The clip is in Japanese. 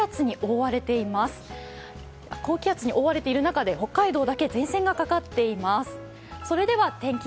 高気圧に覆われている中で前線がかかっています。